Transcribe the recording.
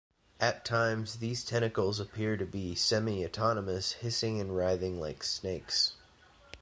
At times, these tentacles appear to be semi-autonomous, hissing and writhing like snakes.